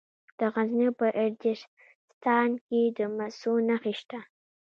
د غزني په اجرستان کې د مسو نښې شته.